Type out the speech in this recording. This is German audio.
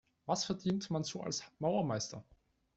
Was verdient man so als Maurermeister?